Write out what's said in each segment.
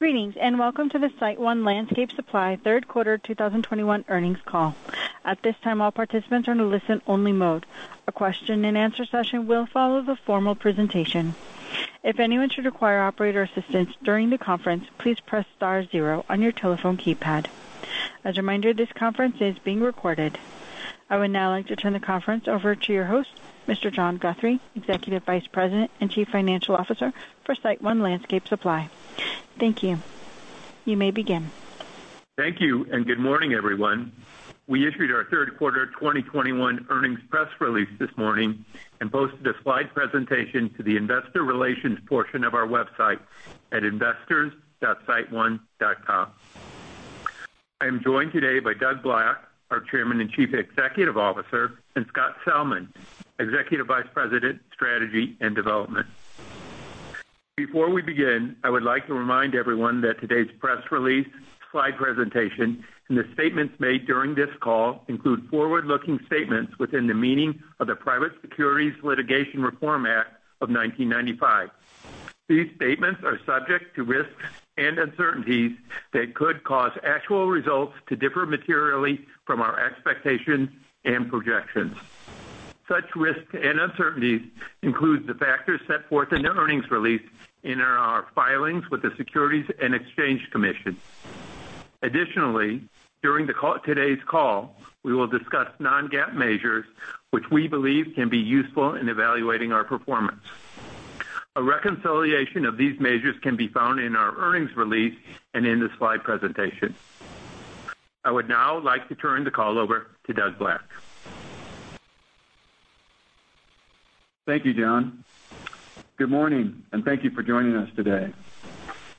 Greetings, and welcome to the SiteOne Landscape Supply third quarter 2021 earnings call. At this time, all participants are in a listen-only mode. A question-and-answer session will follow the formal presentation. If anyone should require operator assistance during the conference, please press star zero on your telephone keypad. As a reminder, this conference is being recorded. I would now like to turn the conference over to your host, Mr. John Guthrie, Executive Vice President and Chief Financial Officer for SiteOne Landscape Supply. Thank you. You may begin. Thank you, and good morning, everyone. We issued our third quarter 2021 earnings press release this morning and posted a slide presentation to the investor relations portion of our website at investors.siteone.com. I am joined today by Doug Black, our Chairman and Chief Executive Officer, and Scott Salmon, Executive Vice President, Strategy and Development. Before we begin, I would like to remind everyone that today's press release, slide presentation, and the statements made during this call include forward-looking statements within the meaning of the Private Securities Litigation Reform Act of 1995. These statements are subject to risks and uncertainties that could cause actual results to differ materially from our expectations and projections. Such risks and uncertainties include the factors set forth in the earnings release in our filings with the Securities and Exchange Commission. Additionally, during today's call, we will discuss non-GAAP measures which we believe can be useful in evaluating our performance. A reconciliation of these measures can be found in our earnings release and in the slide presentation. I would now like to turn the call over to Doug Black. Thank you, John. Good morning, and thank you for joining us today.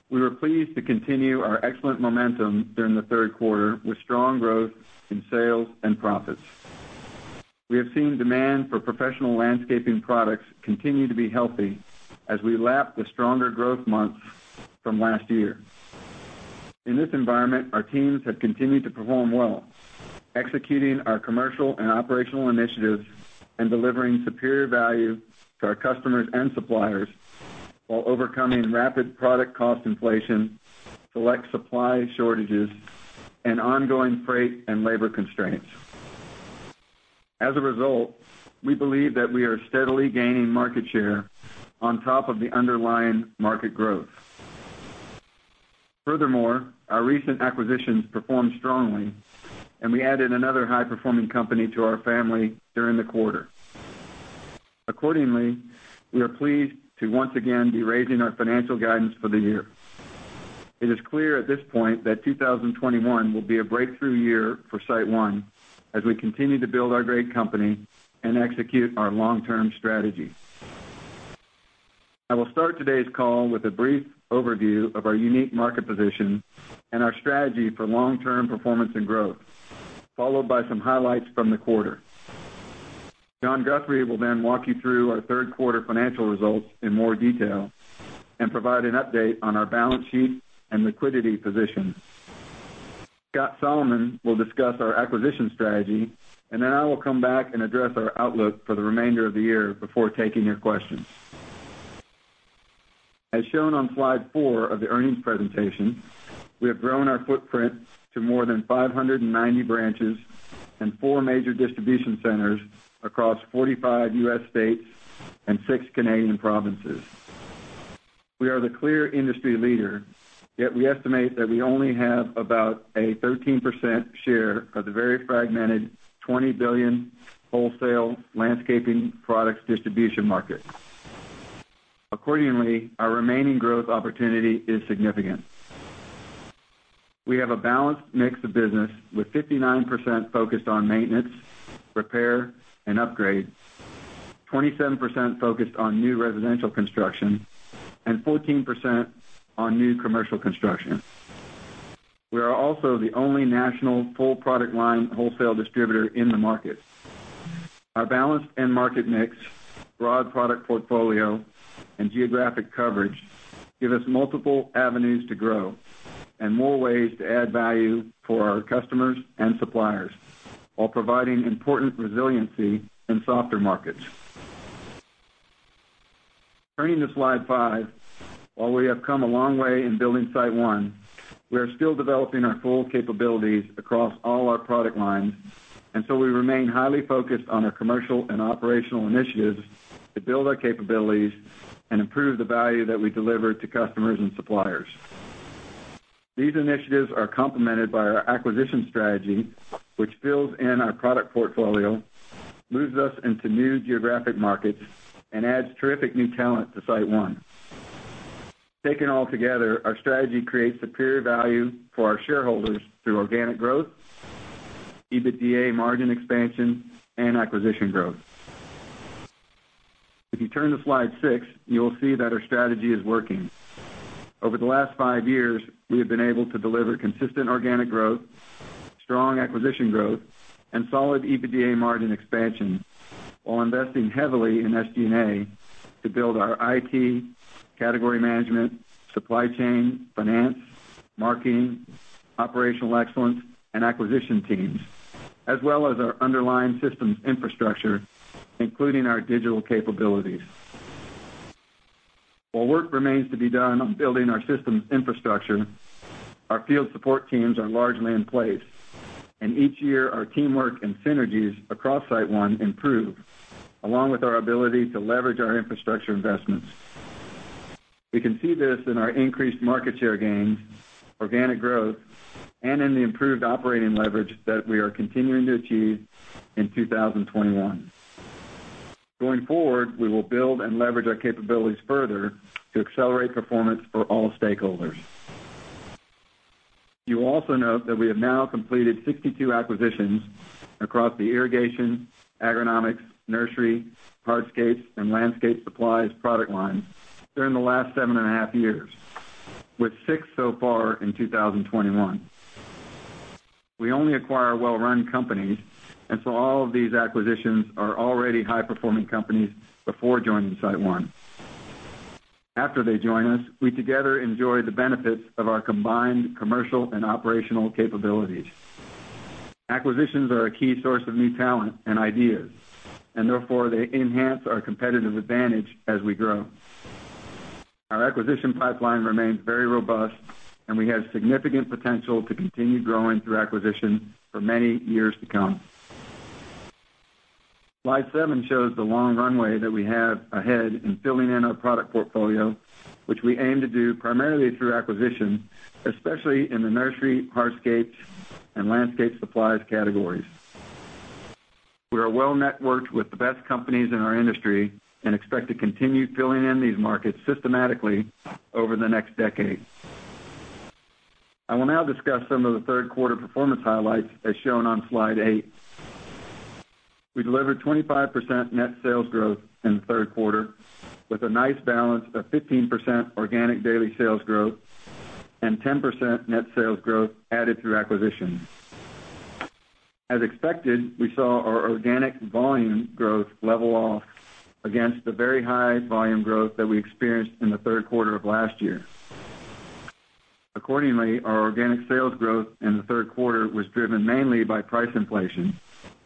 We were pleased to continue our excellent momentum during the third quarter, with strong growth in sales and profits. We have seen demand for professional landscaping products continue to be healthy as we lap the stronger growth months from last year. In this environment, our teams have continued to perform well, executing our commercial and operational initiatives and delivering superior value to our customers and suppliers while overcoming rapid product cost inflation, select supply shortages, and ongoing freight and labor constraints. As a result, we believe that we are steadily gaining market share on top of the underlying market growth. Furthermore, our recent acquisitions performed strongly, and we added another high-performing company to our family during the quarter. Accordingly, we are pleased to once again be raising our financial guidance for the year. It is clear at this point that 2021 will be a breakthrough year for SiteOne as we continue to build our great company and execute our long-term strategy. I will start today's call with a brief overview of our unique market position and our strategy for long-term performance and growth, followed by some highlights from the quarter. John Guthrie will then walk you through our third quarter financial results in more detail and provide an update on our balance sheet and liquidity position. Scott Salmon will discuss our acquisition strategy, and then I will come back and address our outlook for the remainder of the year before taking your questions. As shown on slide four of the earnings presentation, we have grown our footprint to more than 590 branches and four major distribution centers across 45 U.S. states and six Canadian provinces. We are the clear industry leader, yet we estimate that we only have about a 13% share of the very fragmented $20 billion wholesale landscaping products distribution market. Accordingly, our remaining growth opportunity is significant. We have a balanced mix of business with 59% focused on maintenance, repair, and upgrade, 27% focused on new residential construction, and 14% on new commercial construction. We are also the only national full product line wholesale distributor in the market. Our balanced end market mix, broad product portfolio, and geographic coverage give us multiple avenues to grow and more ways to add value for our customers and suppliers while providing important resiliency in softer markets. Turning to slide five, while we have come a long way in building SiteOne, we are still developing our full capabilities across all our product lines, and so we remain highly focused on our commercial and operational initiatives to build our capabilities and improve the value that we deliver to customers and suppliers. These initiatives are complemented by our acquisition strategy, which builds out our product portfolio, moves us into new geographic markets, and adds terrific new talent to SiteOne. Taken all together, our strategy creates superior value for our shareholders through organic growth, EBITDA margin expansion, and acquisition growth. If you turn to slide six, you will see that our strategy is working. Over the last five years, we have been able to deliver consistent organic growth, strong acquisition growth, and solid EBITDA margin expansion while investing heavily in SG&A to build our IT, category management, supply chain, finance, marketing, operational excellence, and acquisition teams, as well as our underlying systems infrastructure, including our digital capabilities. While work remains to be done on building our systems infrastructure, our field support teams are largely in place. Each year, our teamwork and synergies across SiteOne improve, along with our ability to leverage our infrastructure investments. We can see this in our increased market share gains, organic growth, and in the improved operating leverage that we are continuing to achieve in 2021. Going forward, we will build and leverage our capabilities further to accelerate performance for all stakeholders. You will also note that we have now completed 62 acquisitions across the irrigation, agronomics, nursery, hardscapes, and landscape supplies product lines during the last 7.5 years, with 6 so far in 2021. We only acquire well-run companies, and so all of these acquisitions are already high-performing companies before joining SiteOne. After they join us, we together enjoy the benefits of our combined commercial and operational capabilities. Acquisitions are a key source of new talent and ideas, and therefore they enhance our competitive advantage as we grow. Our acquisition pipeline remains very robust, and we have significant potential to continue growing through acquisition for many years to come. Slide 7 shows the long runway that we have ahead in filling in our product portfolio, which we aim to do primarily through acquisition, especially in the nursery, hardscapes, and landscape supplies categories. We are well-networked with the best companies in our industry and expect to continue filling in these markets systematically over the next decade. I will now discuss some of the third quarter performance highlights, as shown on slide 8. We delivered 25% net sales growth in the third quarter, with a nice balance of 15% organic daily sales growth and 10% net sales growth added through acquisitions. As expected, we saw our organic volume growth level off against the very high volume growth that we experienced in the third quarter of last year. Accordingly, our organic sales growth in the third quarter was driven mainly by price inflation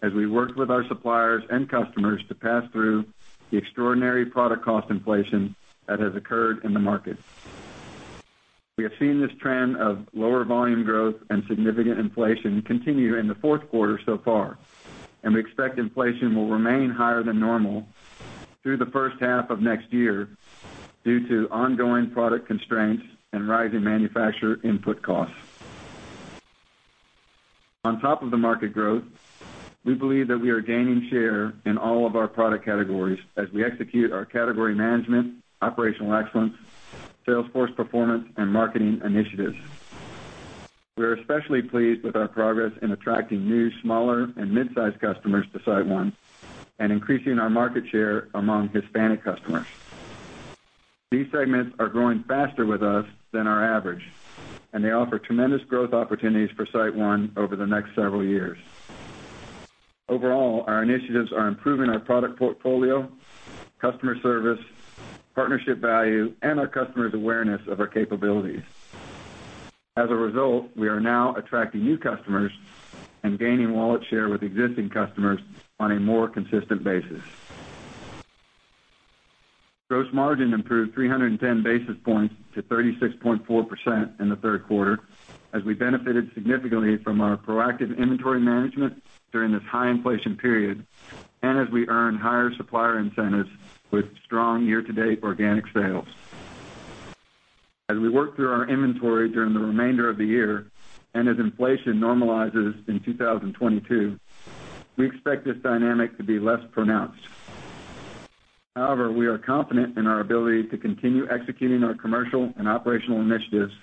as we worked with our suppliers and customers to pass through the extraordinary product cost inflation that has occurred in the market. We have seen this trend of lower volume growth and significant inflation continue in the fourth quarter so far, and we expect inflation will remain higher than normal through the first half of next year due to ongoing product constraints and rising manufacturer input costs. On top of the market growth, we believe that we are gaining share in all of our product categories as we execute our category management, operational excellence, sales force performance, and marketing initiatives. We are especially pleased with our progress in attracting new smaller and mid-size customers to SiteOne and increasing our market share among Hispanic customers. These segments are growing faster with us than our average, and they offer tremendous growth opportunities for SiteOne over the next several years. Overall, our initiatives are improving our product portfolio, customer service, partnership value, and our customers' awareness of our capabilities. As a result, we are now attracting new customers and gaining wallet share with existing customers on a more consistent basis. Gross margin improved 310 basis points to 36.4% in the third quarter, as we benefited significantly from our proactive inventory management during this high inflation period and as we earn higher supplier incentives with strong year-to-date organic sales. As we work through our inventory during the remainder of the year and as inflation normalizes in 2022, we expect this dynamic to be less pronounced. However, we are confident in our ability to continue executing our commercial and operational initiatives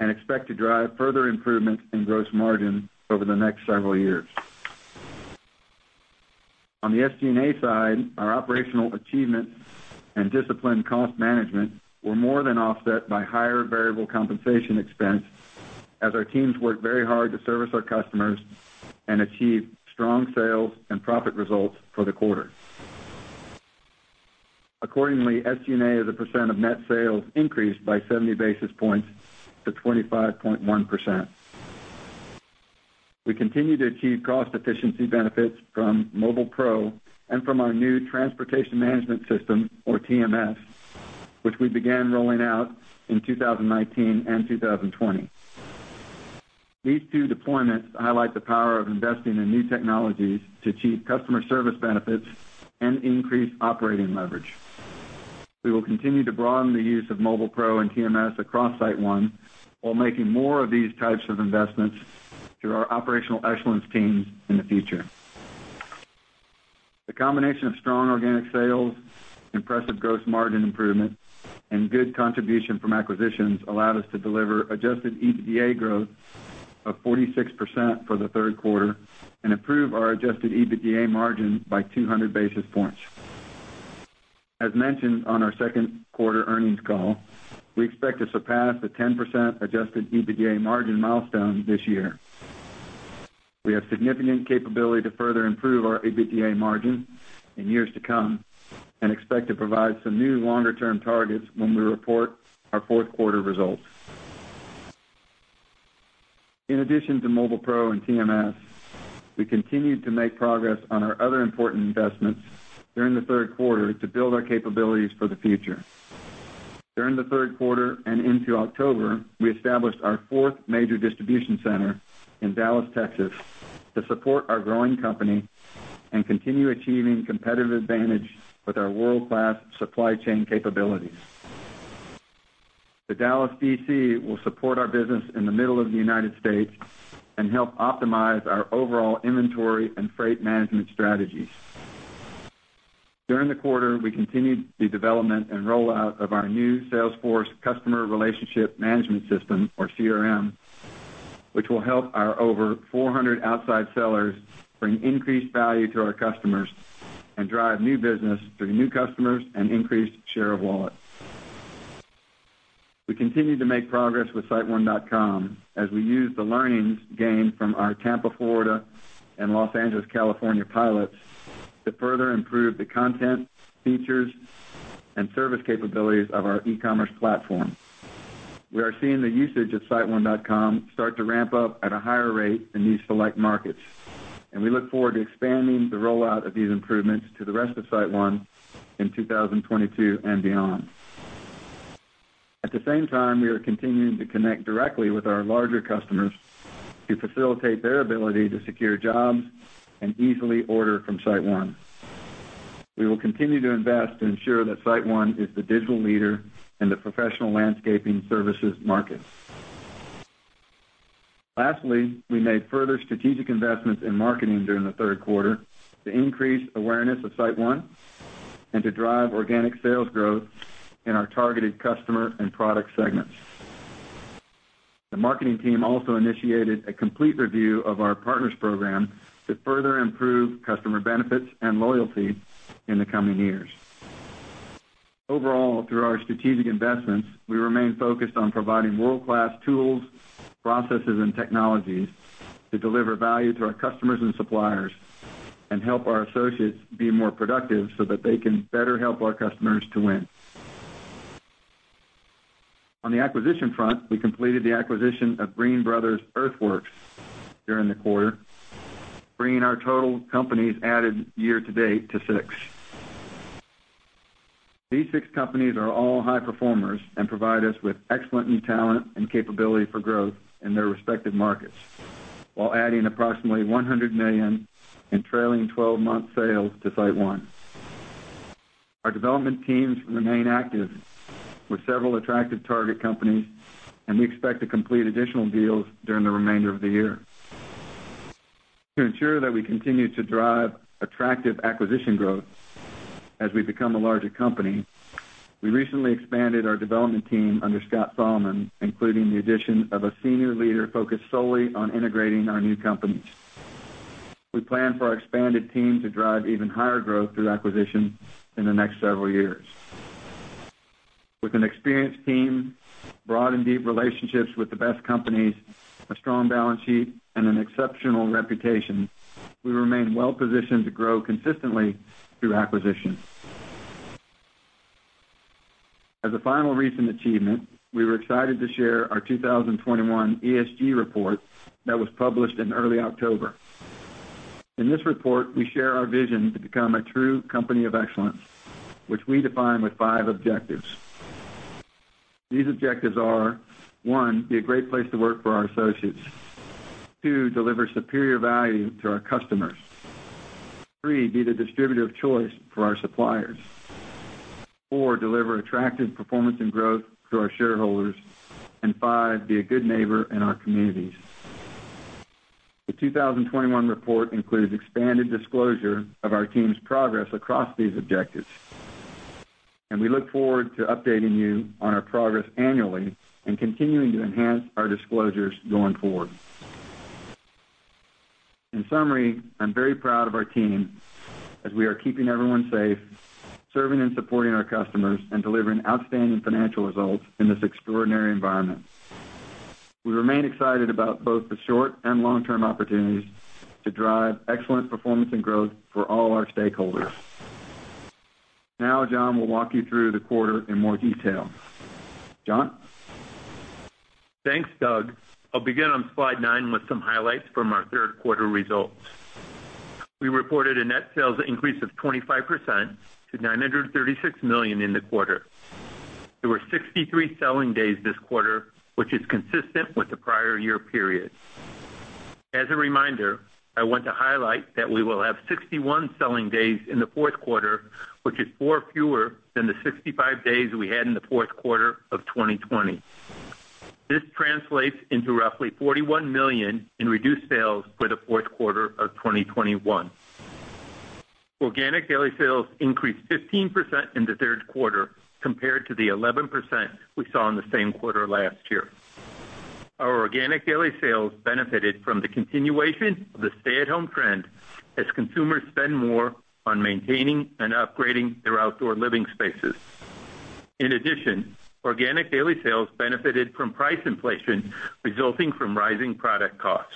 and expect to drive further improvement in gross margin over the next several years. On the SG&A side, our operational achievements and disciplined cost management were more than offset by higher variable compensation expense as our teams worked very hard to service our customers and achieve strong sales and profit results for the quarter. Accordingly, SG&A as a percent of net sales increased by 70 basis points to 25.1%. We continue to achieve cost efficiency benefits from Mobile PRO and from our new transportation management system, or TMS, which we began rolling out in 2019 and 2020. These two deployments highlight the power of investing in new technologies to achieve customer service benefits and increase operating leverage. We will continue to broaden the use of Mobile PRO and TMS across SiteOne while making more of these types of investments through our operational excellence teams in the future. The combination of strong organic sales, impressive gross margin improvement, and good contribution from acquisitions allowed us to deliver adjusted EBITDA growth of 46% for the third quarter and improve our adjusted EBITDA margin by 200 basis points. As mentioned on our second quarter earnings call, we expect to surpass the 10% adjusted EBITDA margin milestone this year. We have significant capability to further improve our EBITDA margin in years to come and expect to provide some new longer-term targets when we report our fourth quarter results. In addition to Mobile PRO and TMS, we continued to make progress on our other important investments during the third quarter to build our capabilities for the future. During the third quarter and into October, we established our fourth major distribution center in Dallas, Texas, to support our growing company and continue achieving competitive advantage with our world-class supply chain capabilities. The Dallas DC will support our business in the middle of the United States and help optimize our overall inventory and freight management strategies. During the quarter, we continued the development and rollout of our new Salesforce customer relationship management system, or CRM, which will help our over 400 outside sellers bring increased value to our customers and drive new business through new customers and increased share of wallet. We continue to make progress with siteone.com as we use the learnings gained from our Tampa, Florida, and Los Angeles, California, pilots to further improve the content, features, and service capabilities of our e-commerce platform. We are seeing the usage of siteone.com start to ramp up at a higher rate in these select markets, and we look forward to expanding the rollout of these improvements to the rest of SiteOne in 2022 and beyond. At the same time, we are continuing to connect directly with our larger customers to facilitate their ability to secure jobs and easily order from SiteOne. We will continue to invest to ensure that SiteOne is the digital leader in the professional landscaping services market. Lastly, we made further strategic investments in marketing during the third quarter to increase awareness of SiteOne and to drive organic sales growth in our targeted customer and product segments. The marketing team also initiated a complete review of our partners program to further improve customer benefits and loyalty in the coming years. Overall, through our strategic investments, we remain focused on providing world-class tools, processes, and technologies to deliver value to our customers and suppliers and help our associates be more productive so that they can better help our customers to win. On the acquisition front, we completed the acquisition of Green Brothers Earth Works during the quarter, bringing our total companies added year to date to six. These six companies are all high performers and provide us with excellent new talent and capability for growth in their respective markets while adding approximately $100 million in trailing twelve-month sales to SiteOne. Our development teams remain active with several attractive target companies, and we expect to complete additional deals during the remainder of the year. To ensure that we continue to drive attractive acquisition growth as we become a larger company, we recently expanded our development team under Scott Salmon, including the addition of a senior leader focused solely on integrating our new companies. We plan for our expanded team to drive even higher growth through acquisition in the next several years. With an experienced team, broad and deep relationships with the best companies, a strong balance sheet, and an exceptional reputation, we remain well positioned to grow consistently through acquisition. As a final recent achievement, we were excited to share our 2021 ESG report that was published in early October. In this report, we share our vision to become a true company of excellence, which we define with five objectives. These objectives are, 1, be a great place to work for our associates. 2, deliver superior value to our customers. 3, be the distributor of choice for our suppliers. 4, deliver attractive performance and growth to our shareholders. And 5, be a good neighbor in our communities. The 2021 report includes expanded disclosure of our team's progress across these objectives, and we look forward to updating you on our progress annually and continuing to enhance our disclosures going forward. In summary, I'm very proud of our team as we are keeping everyone safe, serving and supporting our customers, and delivering outstanding financial results in this extraordinary environment. We remain excited about both the short and long-term opportunities to drive excellent performance and growth for all our stakeholders. Now John will walk you through the quarter in more detail. John? Thanks, Doug. I'll begin on slide nine with some highlights from our third quarter results. We reported a net sales increase of 25% to $936 million in the quarter. There were 63 selling days this quarter, which is consistent with the prior year period. As a reminder, I want to highlight that we will have 61 selling days in the fourth quarter, which is 4 fewer than the 65 days we had in the fourth quarter of 2020. This translates into roughly $41 million in reduced sales for the fourth quarter of 2021. Organic daily sales increased 15% in the third quarter compared to the 11% we saw in the same quarter last year. Our organic daily sales benefited from the continuation of the stay-at-home trend as consumers spend more on maintaining and upgrading their outdoor living spaces. In addition, organic daily sales benefited from price inflation resulting from rising product costs.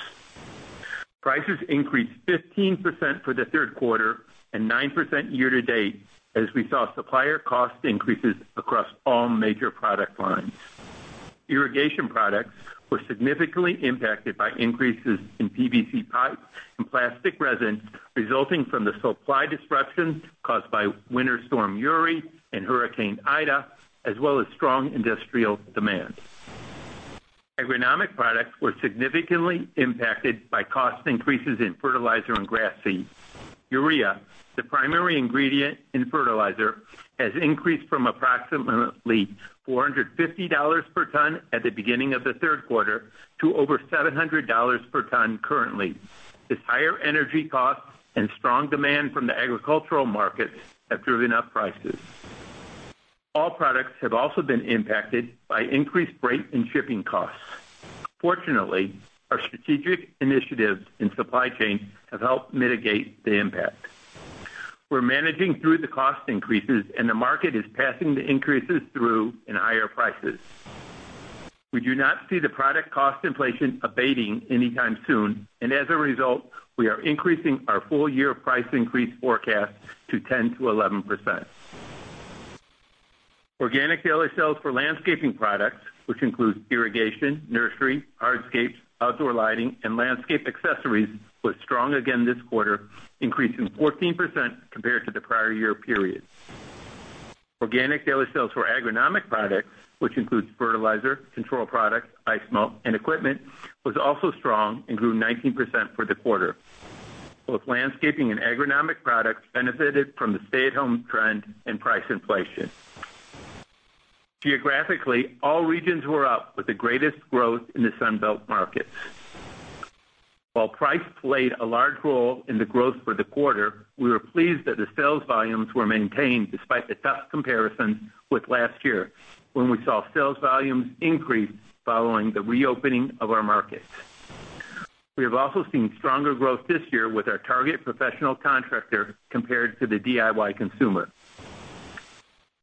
Prices increased 15% for the third quarter and 9% year-to-date as we saw supplier cost increases across all major product lines. Irrigation products were significantly impacted by increases in PVC pipe and plastic resin resulting from the supply disruptions caused by Winter Storm Uri and Hurricane Ida, as well as strong industrial demand. Agronomic products were significantly impacted by cost increases in fertilizer and grass seed. Urea, the primary ingredient in fertilizer, has increased from approximately $450 per ton at the beginning of the third quarter to over $700 per ton currently, as higher energy costs and strong demand from the agricultural markets have driven up prices. All products have also been impacted by increased freight and shipping costs. Fortunately, our strategic initiatives in supply chain have helped mitigate the impact. We're managing through the cost increases, and the market is passing the increases through in higher prices. We do not see the product cost inflation abating anytime soon, and as a result, we are increasing our full-year price increase forecast to 10%-11%. Organic daily sales for landscaping products, which includes irrigation, nursery, hardscapes, outdoor lighting, and landscape accessories, was strong again this quarter, increasing 14% compared to the prior year period. Organic daily sales for agronomic products, which includes fertilizer, control products, ice melt, and equipment, was also strong and grew 19% for the quarter. Both landscaping and agronomic products benefited from the stay-at-home trend and price inflation. Geographically, all regions were up with the greatest growth in the Sun Belt markets. While price played a large role in the growth for the quarter, we were pleased that the sales volumes were maintained despite the tough comparison with last year when we saw sales volumes increase following the reopening of our markets. We have also seen stronger growth this year with our target professional contractor compared to the DIY consumer.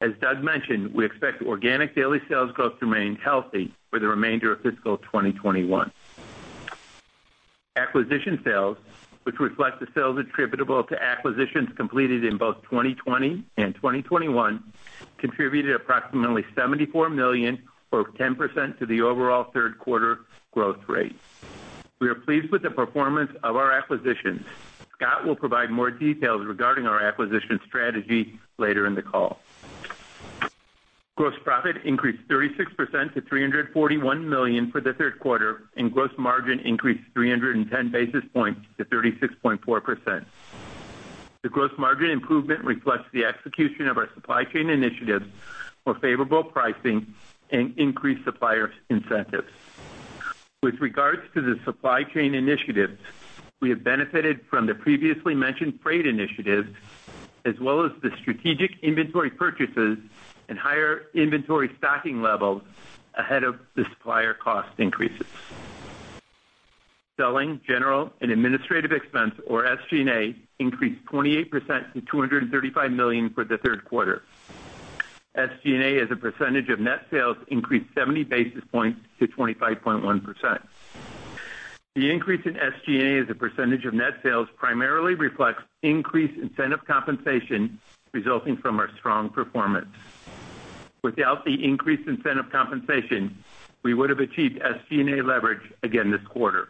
As Doug mentioned, we expect organic daily sales growth to remain healthy for the remainder of fiscal 2021. Acquisition sales, which reflect the sales attributable to acquisitions completed in both 2020 and 2021, contributed approximately $74 million or 10% to the overall third quarter growth rate. We are pleased with the performance of our acquisitions. Scott will provide more details regarding our acquisition strategy later in the call. Gross profit increased 36% to $341 million for the third quarter, and gross margin increased 310 basis points to 36.4%. The gross margin improvement reflects the execution of our supply chain initiatives for favorable pricing and increased supplier incentives. With regards to the supply chain initiatives, we have benefited from the previously mentioned freight initiatives as well as the strategic inventory purchases and higher inventory stocking levels ahead of the supplier cost increases. Selling, general, and administrative expense, or SG&A, increased 28% to $235 million for the third quarter. SG&A, as a percentage of net sales, increased 70 basis points to 25.1%. The increase in SG&A as a percentage of net sales primarily reflects increased incentive compensation resulting from our strong performance. Without the increased incentive compensation, we would have achieved SG&A leverage again this quarter.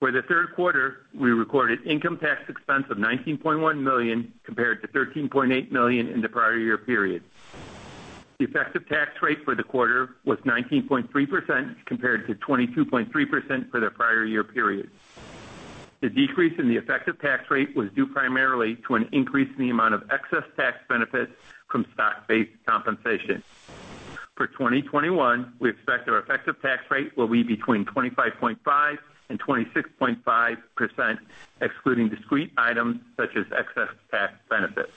For the third quarter, we recorded income tax expense of $19.1 million compared to $13.8 million in the prior year period. The effective tax rate for the quarter was 19.3% compared to 22.3% for the prior year period. The decrease in the effective tax rate was due primarily to an increase in the amount of excess tax benefits from stock-based compensation. For 2021, we expect our effective tax rate will be between 25.5% and 26.5%, excluding discrete items such as excess tax benefits.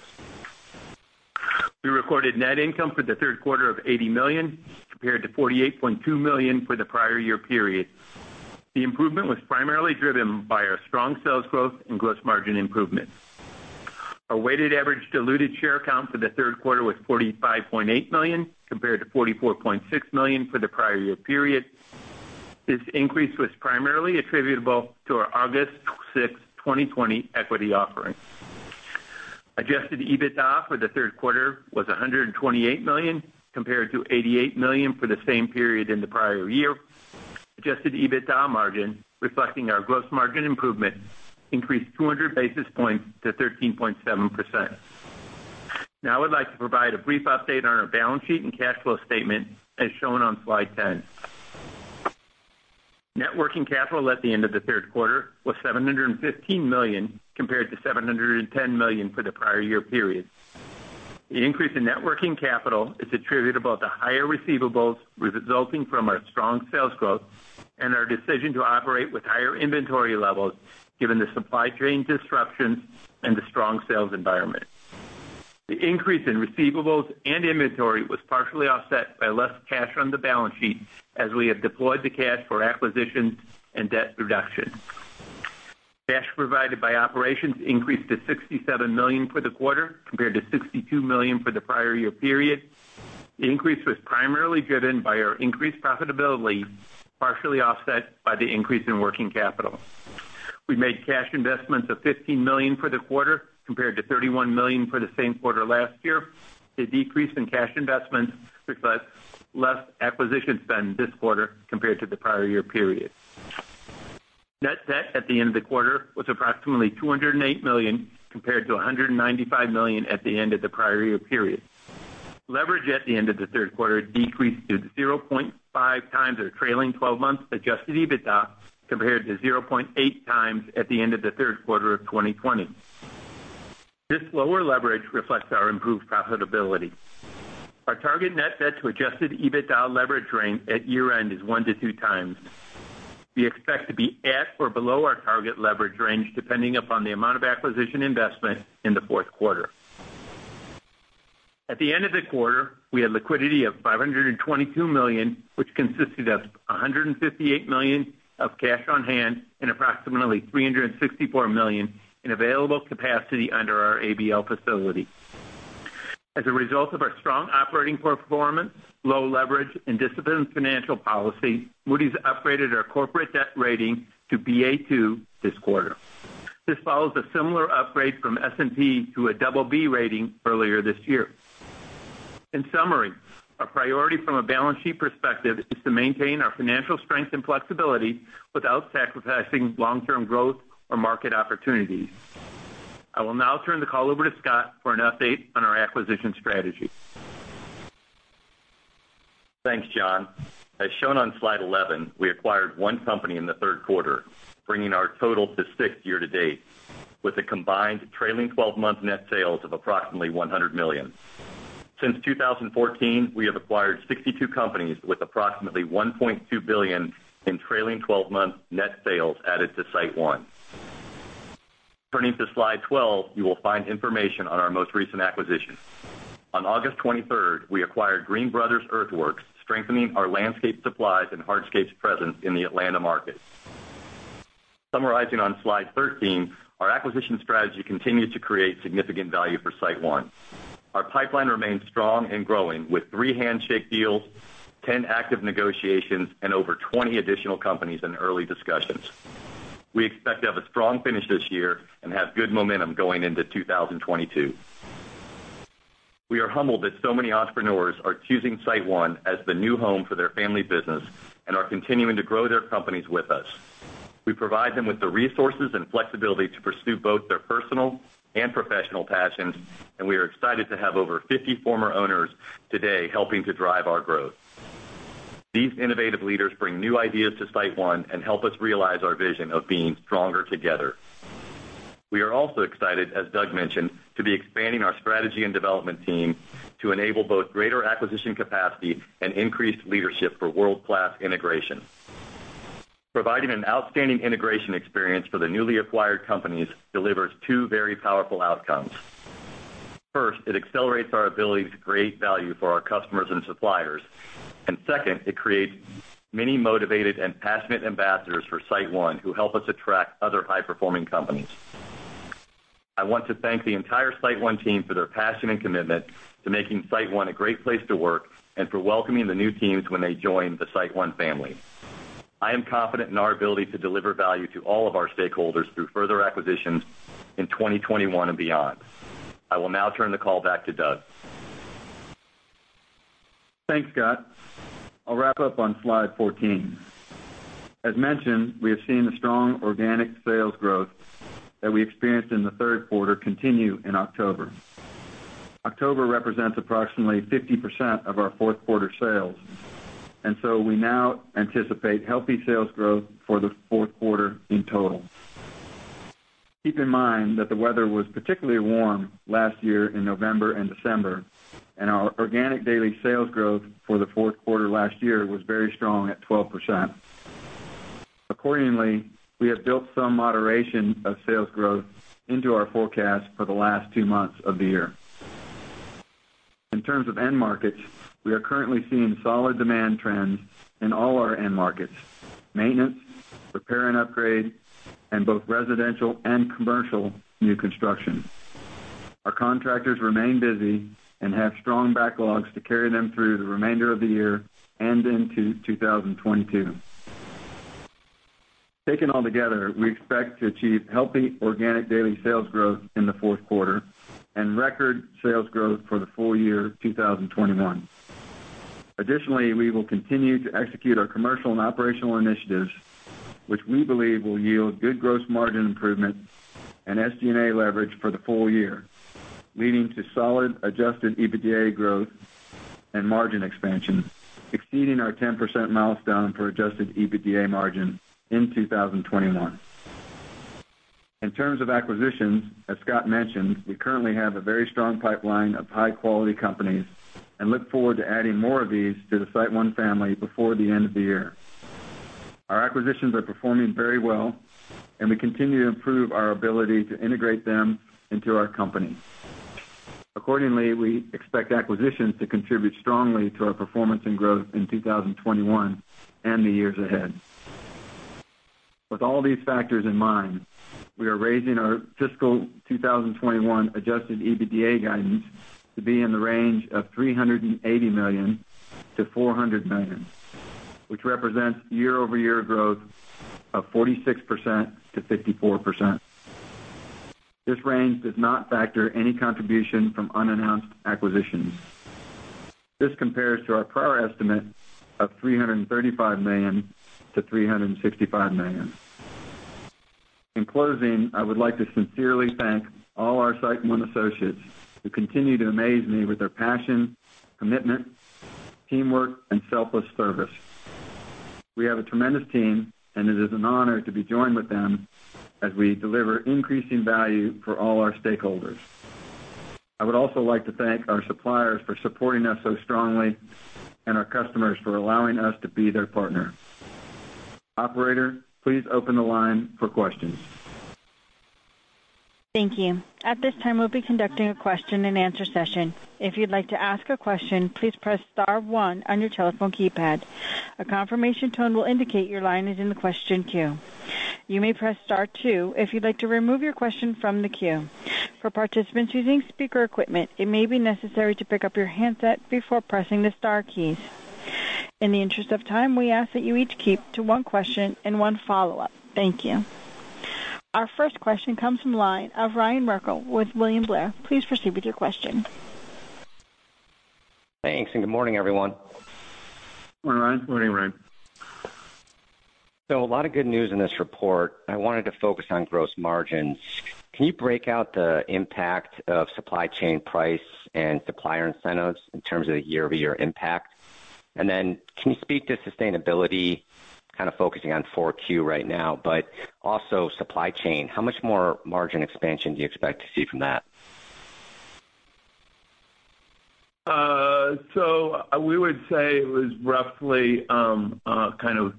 We recorded net income for the third quarter of $80 million compared to $48.2 million for the prior year period. The improvement was primarily driven by our strong sales growth and gross margin improvement. Our weighted average diluted share count for the third quarter was 45.8 million compared to 44.6 million for the prior year period. This increase was primarily attributable to our August 6, 2020 equity offering. Adjusted EBITDA for the third quarter was $128 million compared to $88 million for the same period in the prior year. Adjusted EBITDA margin, reflecting our gross margin improvement, increased 200 basis points to 13.7%. Now I would like to provide a brief update on our balance sheet and cash flow statement as shown on slide 10. Net working capital at the end of the third quarter was $715 million compared to $710 million for the prior year period. The increase in net working capital is attributable to higher receivables resulting from our strong sales growth and our decision to operate with higher inventory levels given the supply chain disruptions and the strong sales environment. The increase in receivables and inventory was partially offset by less cash on the balance sheet as we have deployed the cash for acquisitions and debt reduction. Cash provided by operations increased to $67 million for the quarter compared to $62 million for the prior year period. The increase was primarily driven by our increased profitability, partially offset by the increase in working capital. We made cash investments of $15 million for the quarter compared to $31 million for the same quarter last year. The decrease in cash investments reflects less acquisition spend this quarter compared to the prior year period. Net debt at the end of the quarter was approximately $208 million compared to $195 million at the end of the prior year period. Leverage at the end of the third quarter decreased to 0.5 times our trailing twelve months adjusted EBITDA compared to 0.8 times at the end of the third quarter of 2020. This lower leverage reflects our improved profitability. Our target net debt to adjusted EBITDA leverage range at year-end is 1x-2x. We expect to be at or below our target leverage range, depending upon the amount of acquisition investment in the fourth quarter. At the end of the quarter, we had liquidity of $522 million, which consisted of $158 million of cash on hand and approximately $364 million in available capacity under our ABL facility. As a result of our strong operating performance, low leverage, and disciplined financial policy, Moody's upgraded our corporate debt rating to Ba2 this quarter. This follows a similar upgrade from S&P to a BB rating earlier this year. In summary, our priority from a balance sheet perspective is to maintain our financial strength and flexibility without sacrificing long-term growth or market opportunities. I will now turn the call over to Scott for an update on our acquisition strategy. Thanks, John. As shown on slide 11, we acquired one company in the third quarter, bringing our total to six year-to-date, with a combined trailing twelve-month net sales of approximately $100 million. Since 2014, we have acquired 62 companies with approximately $1.2 billion in trailing twelve-month net sales added to SiteOne. Turning to slide 12, you will find information on our most recent acquisition. On August 23, we acquired Green Brothers Earth Works, strengthening our landscape supplies and hardscapes presence in the Atlanta market. Summarizing on slide 13, our acquisition strategy continued to create significant value for SiteOne. Our pipeline remains strong and growing with three handshake deals, 10 active negotiations, and over 20 additional companies in early discussions. We expect to have a strong finish this year and have good momentum going into 2022. We are humbled that so many entrepreneurs are choosing SiteOne as the new home for their family business and are continuing to grow their companies with us. We provide them with the resources and flexibility to pursue both their personal and professional passions, and we are excited to have over 50 former owners today helping to drive our growth. These innovative leaders bring new ideas to SiteOne and help us realize our vision of being stronger together. We are also excited, as Doug mentioned, to be expanding our strategy and development team to enable both greater acquisition capacity and increased leadership for world-class integration. Providing an outstanding integration experience for the newly acquired companies delivers two very powerful outcomes. First, it accelerates our ability to create value for our customers and suppliers. Second, it creates many motivated and passionate ambassadors for SiteOne who help us attract other high-performing companies. I want to thank the entire SiteOne team for their passion and commitment to making SiteOne a great place to work and for welcoming the new teams when they join the SiteOne family. I am confident in our ability to deliver value to all of our stakeholders through further acquisitions in 2021 and beyond. I will now turn the call back to Doug. Thanks, Scott. I'll wrap up on slide 14. As mentioned, we have seen the strong organic sales growth that we experienced in the third quarter continue in October. October represents approximately 50% of our fourth quarter sales, and so we now anticipate healthy sales growth for the fourth quarter in total. Keep in mind that the weather was particularly warm last year in November and December, and our organic daily sales growth for the fourth quarter last year was very strong at 12%. Accordingly, we have built some moderation of sales growth into our forecast for the last two months of the year. In terms of end markets, we are currently seeing solid demand trends in all our end markets, maintenance, repair and upgrade, and both residential and commercial new construction. Our contractors remain busy and have strong backlogs to carry them through the remainder of the year and into 2022. Taken altogether, we expect to achieve healthy organic daily sales growth in the fourth quarter and record sales growth for the full year 2021. Additionally, we will continue to execute our commercial and operational initiatives, which we believe will yield good gross margin improvements and SD&A leverage for the full year, leading to solid adjusted EBITDA growth and margin expansion, exceeding our 10% milestone for adjusted EBITDA margin in 2021. In terms of acquisitions, as Scott mentioned, we currently have a very strong pipeline of high-quality companies and look forward to adding more of these to the SiteOne family before the end of the year. Our acquisitions are performing very well, and we continue to improve our ability to integrate them into our company. Accordingly, we expect acquisitions to contribute strongly to our performance and growth in 2021 and the years ahead. With all these factors in mind, we are raising our fiscal 2021 adjusted EBITDA guidance to be in the range of $380 million-$400 million, which represents year-over-year growth of 46%-54%. This range does not factor any contribution from unannounced acquisitions. This compares to our prior estimate of $335 million-$365 million. In closing, I would like to sincerely thank all our SiteOne associates who continue to amaze me with their passion, commitment, teamwork, and selfless service. We have a tremendous team, and it is an honor to be joined with them as we deliver increasing value for all our stakeholders. I would also like to thank our suppliers for supporting us so strongly and our customers for allowing us to be their partner. Operator, please open the line for questions. Thank you. At this time, we'll be conducting a question-and-answer session. If you'd like to ask a question, please press star one on your telephone keypad. A confirmation tone will indicate your line is in the question queue. You may press star two if you'd like to remove your question from the queue. For participants using speaker equipment, it may be necessary to pick up your handset before pressing the star keys. In the interest of time, we ask that you each keep to one question and one follow-up. Thank you. Our first question comes from the line of Ryan Merkel with William Blair. Please proceed with your question. Thanks, and good morning, everyone. Good morning, Ryan. A lot of good news in this report. I wanted to focus on gross margins. Can you break out the impact of supply chain price and supplier incentives in terms of the year-over-year impact? Can you speak to sustainability, kind of focusing on Q4 right now, but also supply chain? How much more margin expansion do you expect to see from that? We would say it was roughly kind of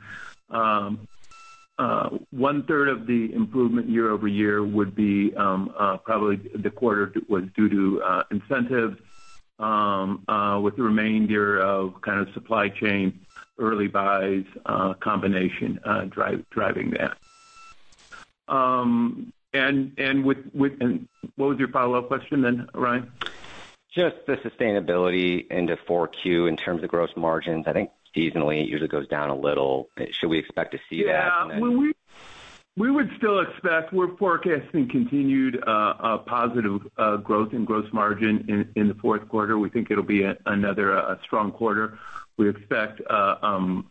1/3 of the improvement year-over-year would be probably due to incentive, with the remainder kind of supply chain early buys combination driving that. What was your follow-up question then, Ryan? Just the sustainability into Q4 in terms of gross margins. I think seasonally it usually goes down a little. Should we expect to see that? Yeah. We would still expect we're forecasting continued positive growth in gross margin in the fourth quarter. We think it'll be another strong quarter. We expect the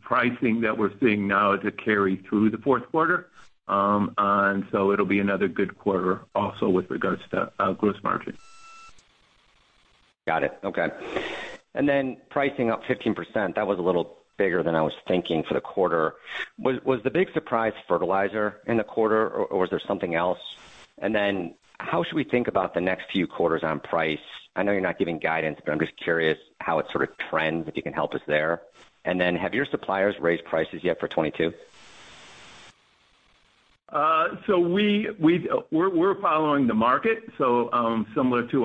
pricing that we're seeing now to carry through the fourth quarter. It'll be another good quarter also with regards to gross margin. Got it. Okay. Pricing up 15%, that was a little bigger than I was thinking for the quarter. Was the big surprise fertilizer in the quarter or was there something else? How should we think about the next few quarters on price? I know you're not giving guidance, but I'm just curious how it sort of trends, if you can help us there. Have your suppliers raised prices yet for 2022? We're following the market, similar to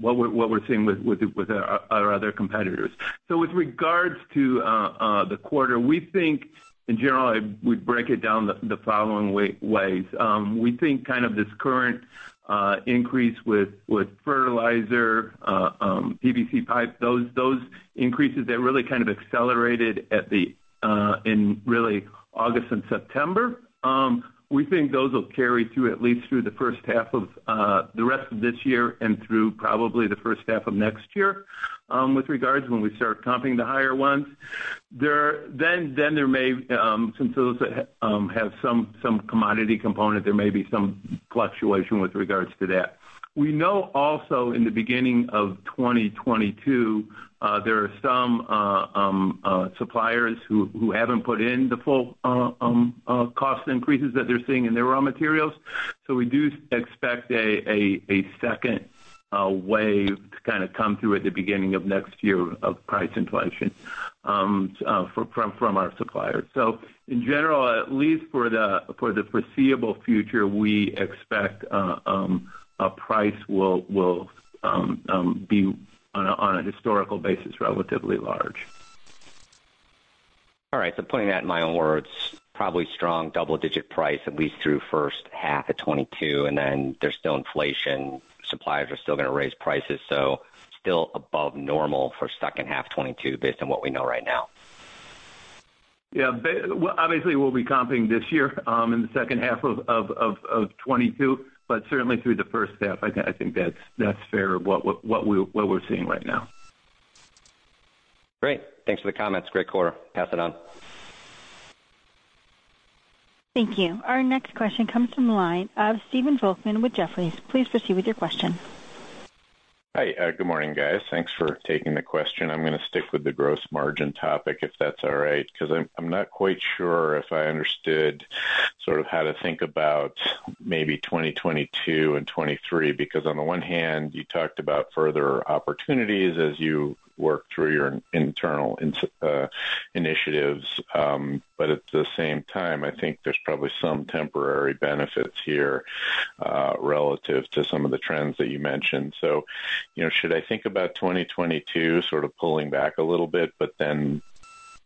what we're seeing with our other competitors. With regards to the quarter, we think in general we break it down the following way. We think kind of this current increase with fertilizer, PVC pipe, those increases that really kind of accelerated in late August and September. We think those will carry through at least through the first half of the rest of this year and through probably the first half of next year, with regards when we start comping the higher ones. Then there may, since those have some commodity component, there may be some fluctuation with regards to that. We know also in the beginning of 2022, there are some suppliers who haven't put in the full cost increases that they're seeing in their raw materials. We expect a second wave to kind of come through at the beginning of next year of price inflation from our suppliers. In general, at least for the foreseeable future, we expect prices will be on a historical basis, relatively large. All right. Putting that in my own words, probably strong double-digit price at least through first half of 2022, then there's still inflation. Suppliers are still gonna raise prices, so still above normal for second half 2022 based on what we know right now. Well, obviously, we'll be comping this year in the second half of 2022, but certainly through the first half. I think that's fair what we're seeing right now. Great. Thanks for the comments. Great quarter. Pass it on. Thank you. Our next question comes from the line of Stephen Volkmann with Jefferies. Please proceed with your question. Hi. Good morning, guys. Thanks for taking the question. I'm gonna stick with the gross margin topic, if that's all right, 'cause I'm not quite sure if I understood sort of how to think about maybe 2022 and 2023. Because on the one hand, you talked about further opportunities as you work through your internal initiatives, but at the same time, I think there's probably some temporary benefits here, relative to some of the trends that you mentioned. You know, should I think about 2022 sort of pulling back a little bit, but then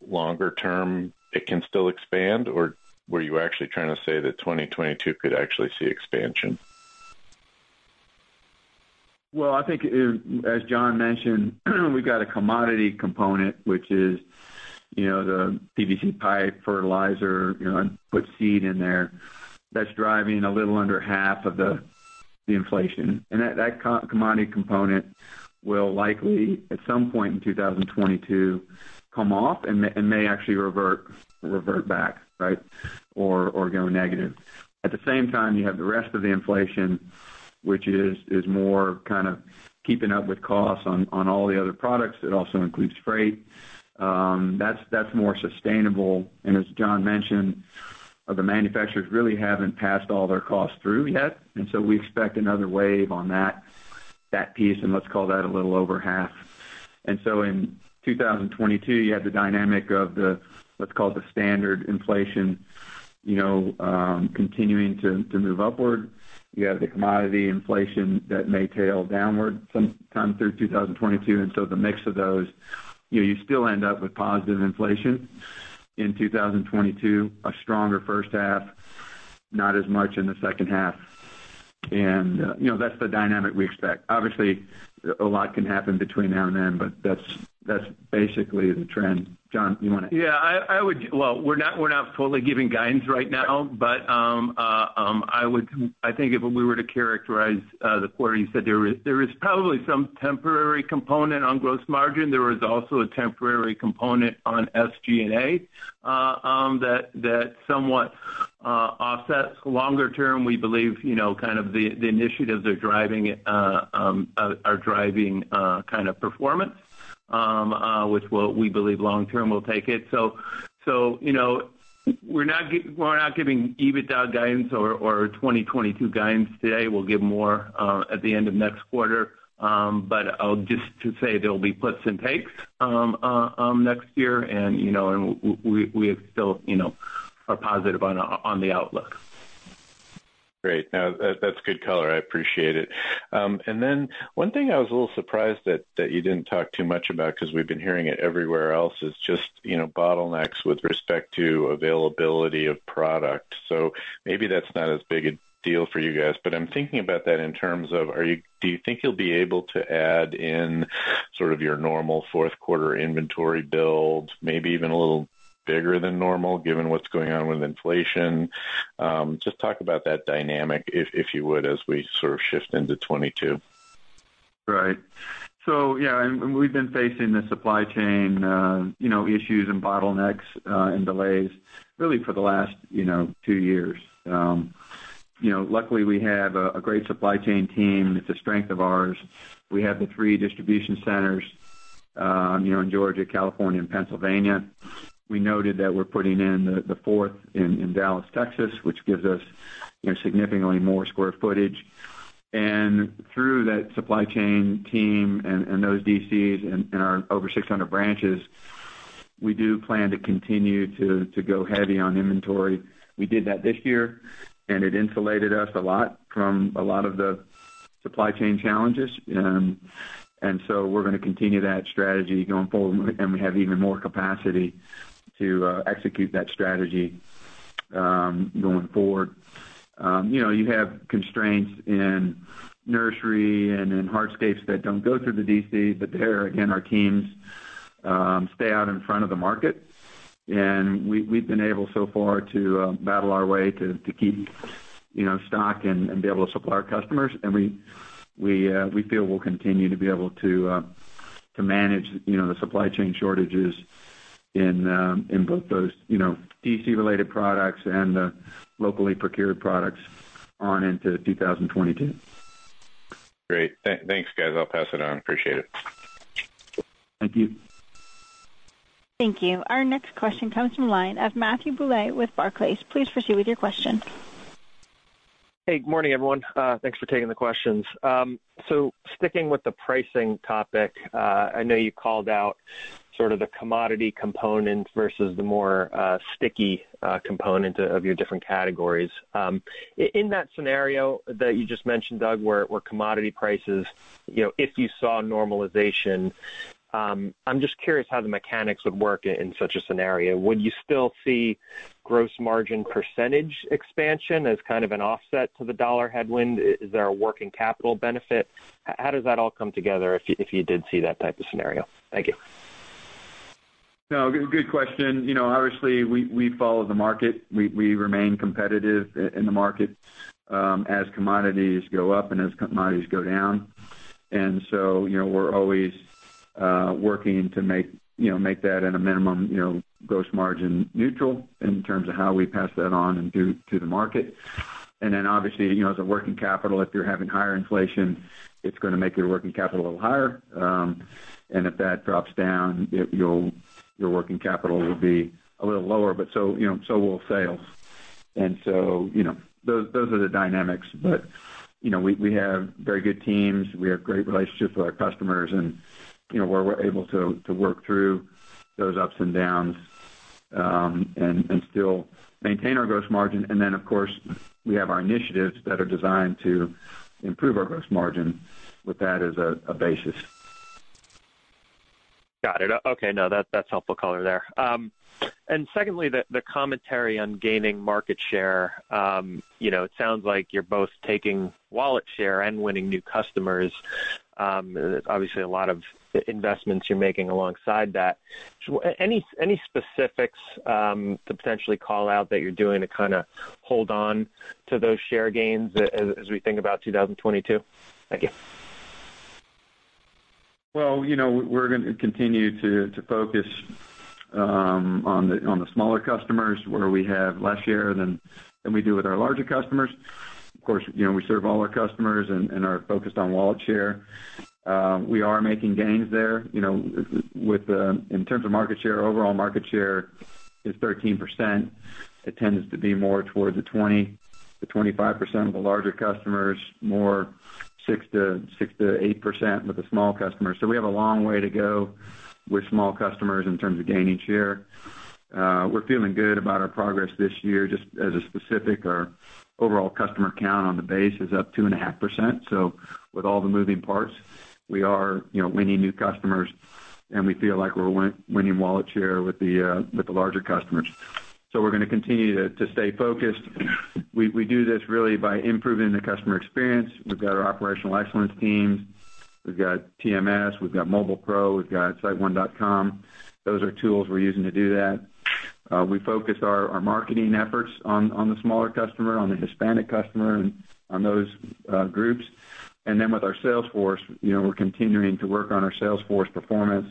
longer term it can still expand? Or were you actually trying to say that 2022 could actually see expansion? Well, I think as John mentioned, we've got a commodity component, which is, you know, the PVC pipe, fertilizer, you know, and put seed in there. That's driving a little under half of the inflation. That commodity component will likely, at some point in 2022, come off and may actually revert back, right? Or go negative. At the same time, you have the rest of the inflation, which is more kind of keeping up with costs on all the other products. It also includes freight. That's more sustainable. As John mentioned, the manufacturers really haven't passed all their costs through yet, and so we expect another wave on that piece, and let's call that a little over half. in 2022, you have the dynamic of the, let's call it the standard inflation, you know, continuing to move upward. You have the commodity inflation that may tail downward some time through 2022, and the mix of those, you know, you still end up with positive inflation in 2022, a stronger first half, not as much in the second half. You know, that's the dynamic we expect. Obviously, a lot can happen between now and then, but that's basically the trend. John, you wanna- Yeah, I would. Well, we're not fully giving guidance right now, but I think if we were to characterize the quarter, you said there is probably some temporary component on gross margin. There is also a temporary component on SG&A that somewhat offsets. Longer term, we believe you know kind of the initiatives are driving it, are driving kind of performance which we believe long term will take it. You know, we're not giving EBITDA guidance or 2022 guidance today. We'll give more at the end of next quarter. But I'll just say there'll be puts and takes next year and you know we still you know are positive on the outlook. Great. No, that's good color. I appreciate it. One thing I was a little surprised that you didn't talk too much about, 'cause we've been hearing it everywhere else, is just, you know, bottlenecks with respect to availability of product. Maybe that's not as big a deal for you guys, but I'm thinking about that in terms of are you, do you think you'll be able to add in sort of your normal fourth quarter inventory builds, maybe even a little bigger than normal given what's going on with inflation? Just talk about that dynamic, if you would, as we sort of shift into 2022. Right. So yeah, we've been facing the supply chain issues and bottlenecks and delays really for the last two years. You know, luckily, we have a great supply chain team. It's a strength of ours. We have the three distribution centers, you know, in Georgia, California, and Pennsylvania. We noted that we're putting in the fourth in Dallas, Texas, which gives us, you know, significantly more square footage. Through that supply chain team and those DCs and our over 600 branches, we do plan to continue to go heavy on inventory. We did that this year, and it insulated us a lot from a lot of the supply chain challenges. We're gonna continue that strategy going forward, and we have even more capacity to execute that strategy going forward. You know, you have constraints in nursery and in hardscapes that don't go through the DC, but there again, our teams stay out in front of the market. We've been able so far to battle our way to keep you know, stock and be able to supply our customers. We feel we'll continue to be able to manage you know, the supply chain shortages in both those you know, DC-related products and locally procured products on into 2022. Great. Thanks, guys. I'll pass it on. Appreciate it. Thank you. Thank you. Our next question comes from the line of Matthew Bouley with Barclays. Please proceed with your question. Hey, morning, everyone. Thanks for taking the questions. So sticking with the pricing topic, I know you called out sort of the commodity component versus the more sticky component of your different categories. In that scenario that you just mentioned, Doug, where commodity prices, you know, if you saw normalization, I'm just curious how the mechanics would work in such a scenario. Would you still see gross margin percentage expansion as kind of an offset to the dollar headwind? Is there a working capital benefit? How does that all come together if you did see that type of scenario? Thank you. No, good question. You know, obviously, we follow the market. We remain competitive in the market as commodities go up and as commodities go down. You know, we're always working to make that at a minimum gross margin neutral in terms of how we pass that on to the market. Then obviously, you know, as working capital, if you're having higher inflation, it's gonna make your working capital a little higher. If that drops down, your working capital will be a little lower, but so will sales. You know, those are the dynamics. You know, we have very good teams. We have great relationships with our customers and, you know, we're able to work through those ups and downs and still maintain our gross margin. Of course, we have our initiatives that are designed to improve our gross margin with that as a basis. Got it. Okay. No, that's helpful color there. Secondly, the commentary on gaining market share. You know, it sounds like you're both taking wallet share and winning new customers. Obviously, a lot of investments you're making alongside that. So any specifics to potentially call out that you're doing to kinda hold on to those share gains as we think about 2022? Thank you. Well, you know, we're gonna continue to focus on the smaller customers where we have less share than we do with our larger customers. Of course, you know, we serve all our customers and are focused on wallet share. We are making gains there, you know, with, in terms of market share. Overall market share is 13%. It tends to be more towards the 20%-25% of the larger customers, more 6%-8% with the small customers. So we have a long way to go with small customers in terms of gaining share. We're feeling good about our progress this year. Just as a specific, our overall customer count on the base is up 2.5%. With all the moving parts, we are, you know, winning new customers, and we feel like we're winning wallet share with the larger customers. We're gonna continue to stay focused. We do this really by improving the customer experience. We've got our operational excellence teams. We've got TMS. We've got Mobile PRO. We've got siteone.com. Those are tools we're using to do that. We focus our marketing efforts on the smaller customer, on the Hispanic customer, and on those groups. With our sales force, you know, we're continuing to work on our sales force performance.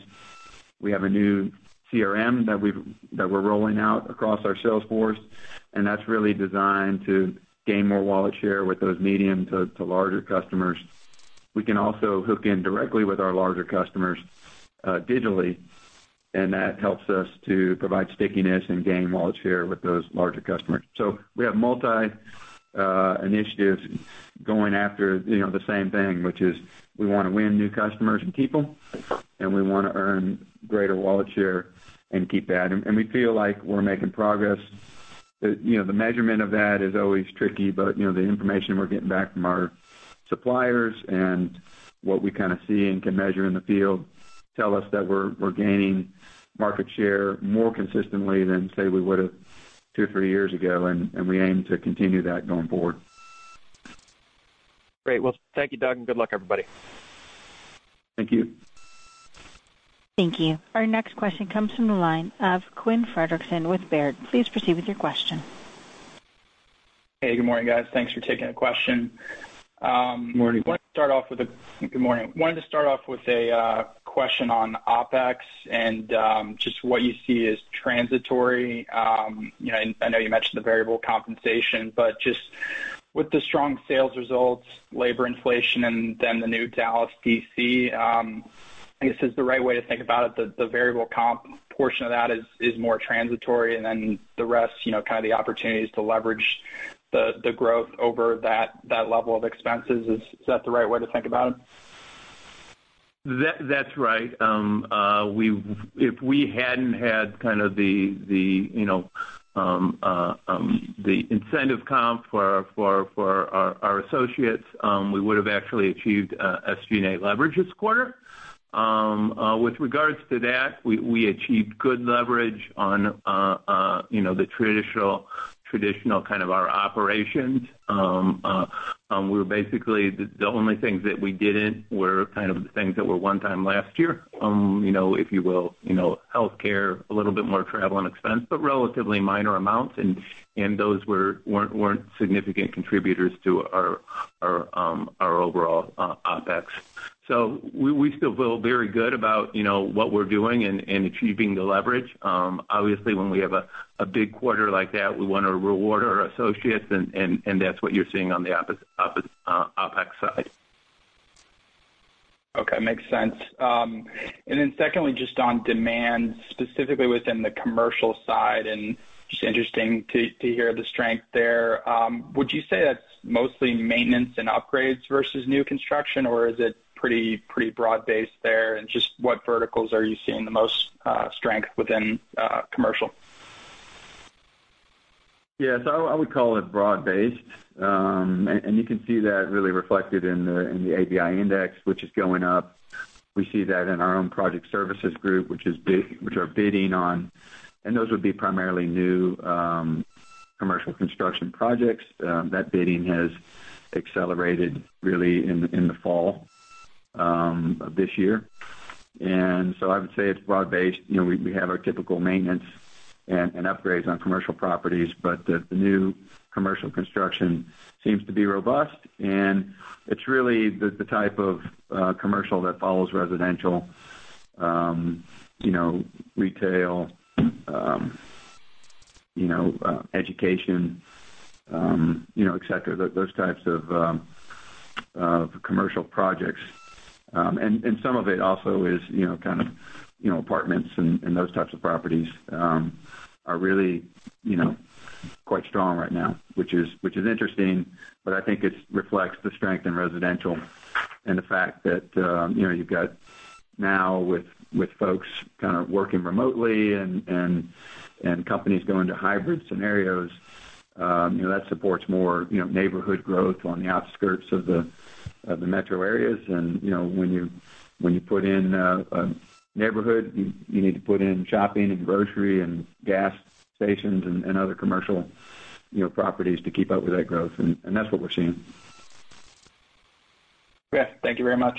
We have a new CRM that we're rolling out across our sales force, and that's really designed to gain more wallet share with those medium to larger customers. We can also hook in directly with our larger customers digitally, and that helps us to provide stickiness and gain wallet share with those larger customers. We have multiple initiatives going after, you know, the same thing, which is we wanna win new customers and keep them, and we wanna earn greater wallet share and keep adding. We feel like we're making progress. You know, the measurement of that is always tricky, but, you know, the information we're getting back from our suppliers and what we kinda see and can measure in the field tell us that we're gaining market share more consistently than, say, we would've two, three years ago, and we aim to continue that going forward. Great. Well, thank you, Doug, and good luck, everybody. Thank you. Thank you. Our next question comes from the line of Quinn Fredrickson with Baird. Please proceed with your question. Hey, good morning, guys. Thanks for taking the question. Good morning. Good morning. Wanted to start off with a question on OpEx and just what you see as transitory. You know, I know you mentioned the variable compensation, but just with the strong sales results, labor inflation, and then the new Dallas DC, I guess is the right way to think about it, the variable comp portion of that is more transitory, and then the rest, you know, kind of the opportunities to leverage the growth over that level of expenses, is that the right way to think about it? That's right. If we hadn't had kind of the you know the incentive comp for our associates, we would have actually achieved SG&A leverage this quarter. With regards to that, we achieved good leverage on you know the traditional kind of our operations. We're basically the only things that we didn't were kind of the things that were one time last year, you know, if you will. You know, healthcare, a little bit more travel and expense, but relatively minor amounts. Those weren't significant contributors to our overall OpEx. We still feel very good about you know what we're doing and achieving the leverage. Obviously, when we have a big quarter like that, we wanna reward our associates and that's what you're seeing on the OpEx side. Okay. Makes sense. Secondly, just on demand, specifically within the commercial side and just interesting to hear the strength there. Would you say that's mostly maintenance and upgrades versus new construction, or is it pretty broad-based there? Just what verticals are you seeing the most strength within commercial? Yeah. I would call it broad-based. And you can see that really reflected in the ABI index, which is going up. We see that in our own project services group, which are bidding on, and those would be primarily new commercial construction projects. That bidding has accelerated really in the fall of this year. I would say it's broad-based. You know, we have our typical maintenance and upgrades on commercial properties, but the new commercial construction seems to be robust and it's really the type of commercial that follows residential, you know, retail, you know, education, you know, et cetera. Those types of commercial projects. Some of it also is, you know, kind of, you know, apartments and those types of properties are really, you know, quite strong right now, which is interesting, but I think it reflects the strength in residential and the fact that, you know, you've got now with folks kind of working remotely and companies going to hybrid scenarios, you know, that supports more, you know, neighborhood growth on the outskirts of the metro areas. You know, when you put in a neighborhood, you need to put in shopping and grocery and gas stations and other commercial, you know, properties to keep up with that growth. That's what we're seeing. Okay. Thank you very much.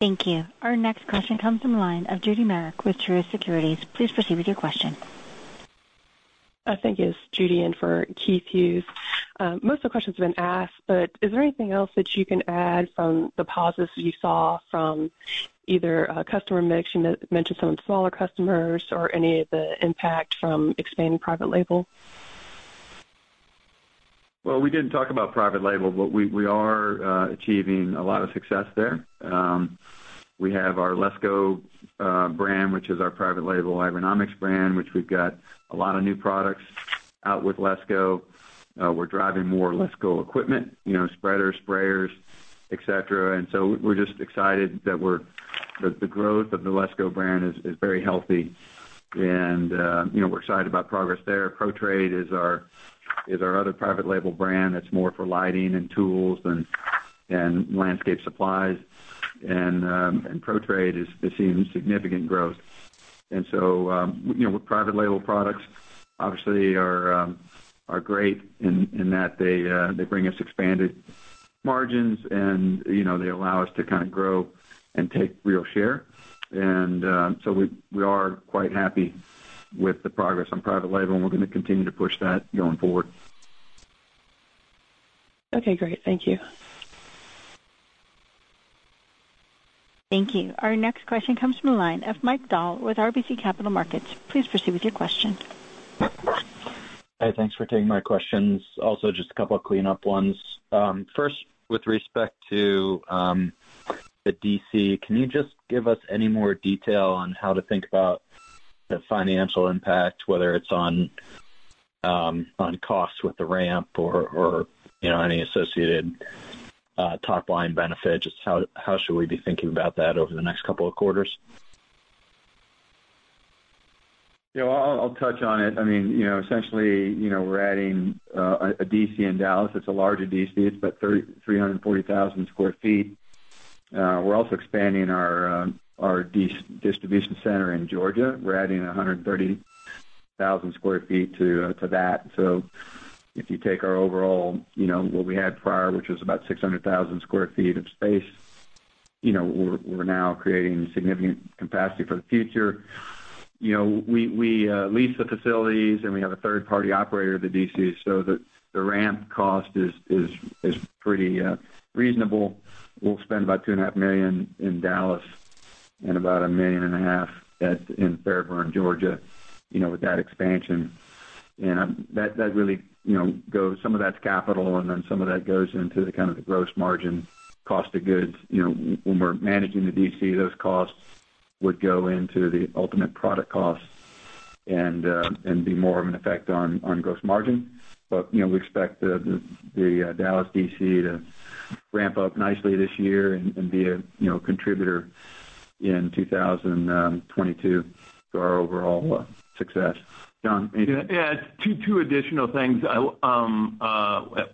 Thank you. Our next question comes from the line of Judy Merrick with Truist Securities. Please proceed with your question. I think it's Judy in for Keith Hughes. Most of the questions have been asked, but is there anything else that you can add from the pauses you saw from either customer mix, you mentioned some of the smaller customers or any of the impact from expanding private label? Well, we didn't talk about private label, but we are achieving a lot of success there. We have our LESCO brand, which is our private label agronomic brand, which we've got a lot of new products out with LESCO. We're driving more LESCO equipment, you know, spreaders, sprayers, et cetera. We're just excited that the growth of the LESCO brand is very healthy. You know, we're excited about progress there. Pro-Trade is our other private label brand that's more for lighting and tools and landscape supplies. Pro-Trade is seeing significant growth. You know, with private label products obviously are great in that they bring us expanded margins and, you know, they allow us to kind of grow and take real share. We are quite happy with the progress on private label, and we're gonna continue to push that going forward. Okay, great. Thank you. Thank you. Our next question comes from the line of Mike Dahl with RBC Capital Markets. Please proceed with your question. Hey, thanks for taking my questions. Also, just a couple of cleanup ones. First, with respect to the DC, can you just give us any more detail on how to think about the financial impact, whether it's on costs with the ramp or you know, any associated top line benefit? Just how should we be thinking about that over the next couple of quarters? Yeah, I'll touch on it. I mean, you know, essentially, you know, we're adding a DC in Dallas. It's a larger DC. It's about 340,000 sq ft. We're also expanding our distribution center in Georgia. We're adding 130,000 sq ft to that. If you take our overall, you know, what we had prior, which was about 600,000 sq ft of space, you know, we're now creating significant capacity for the future. You know, we lease the facilities, and we have a third-party operator of the DC, so the ramp cost is pretty reasonable. We'll spend about $2.5 million in Dallas and about $1.5 million in Fairburn, Georgia, you know, with that expansion. That really, you know, goes some of that's capital, and then some of that goes into the kind of gross margin cost of goods. You know, when we're managing the DC, those costs would go into the ultimate product costs and be more of an effect on gross margin. You know, we expect the Dallas DC to ramp up nicely this year and be a, you know, contributor in 2022 to our overall success. John, anything? Two additional things.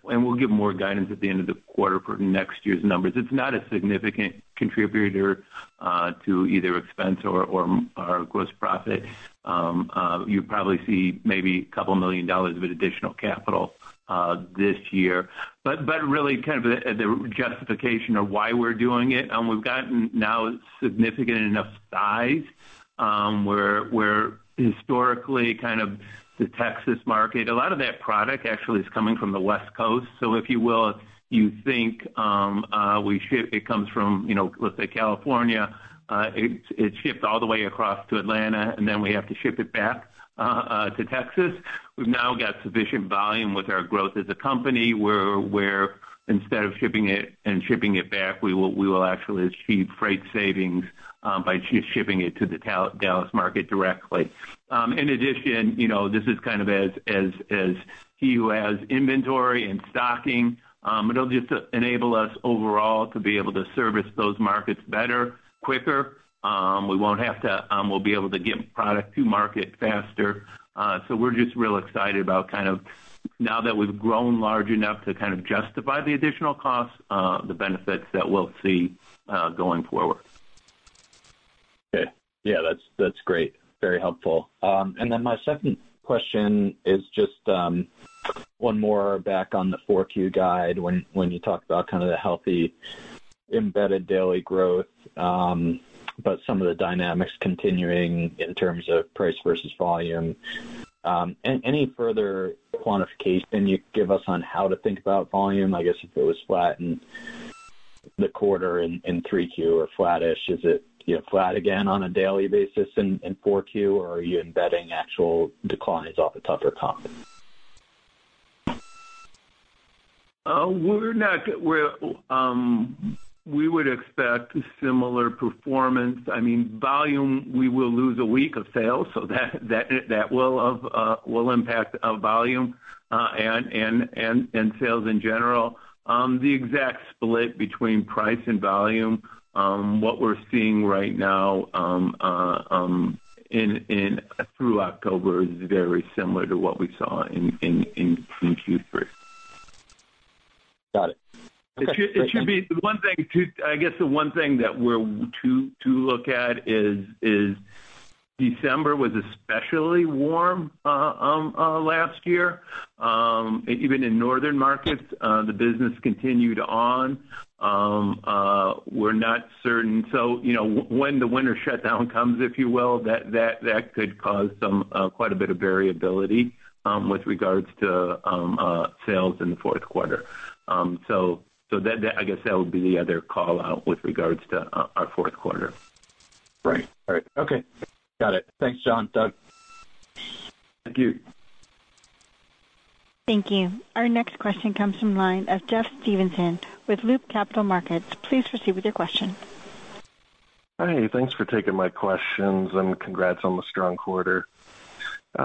We'll give more guidance at the end of the quarter for next year's numbers. It's not a significant contributor to either expense or our gross profit. You probably see maybe $2 million of additional capital this year. But really kind of the justification of why we're doing it, we've gotten now significant enough size where historically kind of the Texas market, a lot of that product actually is coming from the West Coast. So if you will, you think, it comes from, you know, let's say California, it shipped all the way across to Atlanta, and then we have to ship it back to Texas. We've now got sufficient volume with our growth as a company where instead of shipping it back, we will actually achieve freight savings by shipping it to the Dallas market directly. In addition, you know, this is kind of as Doug Black has inventory and stocking, it'll just enable us overall to be able to service those markets better, quicker. We'll be able to get product to market faster. We're just real excited about kind of now that we've grown large enough to kind of justify the additional costs, the benefits that we'll see going forward. Okay. Yeah, that's great. Very helpful. My second question is just one more back on the 4Q guide when you talked about kind of the healthy embedded daily growth, but some of the dynamics continuing in terms of price versus volume. Any further quantification you could give us on how to think about volume? I guess if it was flat in the quarter in 3Q or flattish, is it, you know, flat again on a daily basis in 4Q, or are you embedding actual declines off the tougher comp? We would expect similar performance. I mean, volume, we will lose a week of sales, so that will impact volume and sales in general. The exact split between price and volume through October is very similar to what we saw in Q3. Got it. I guess the one thing that we're to look at is December was especially warm last year. Even in northern markets, the business continued on. We're not certain. You know, when the winter shutdown comes, if you will, that could cause some quite a bit of variability with regards to sales in the fourth quarter. So that, I guess that would be the other call-out with regards to our fourth quarter. Right. All right. Okay. Got it. Thanks, John. Doug? Thank you. Thank you. Our next question comes from the line of Jeff Stevenson with Loop Capital Markets. Please proceed with your question. Hi. Thanks for taking my questions, and congrats on the strong quarter.